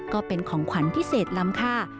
ก็เป็นของขวัญพิเศษล้ำค่า